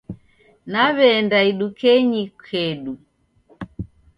Naweenda idukenyi kedu